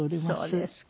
そうですか。